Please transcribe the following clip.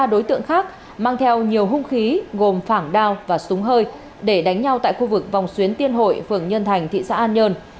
ba đối tượng khác mang theo nhiều hung khí gồm phảng đao và súng hơi để đánh nhau tại khu vực vòng xuyến tiên hội phường nhân thành thị xã an nhơn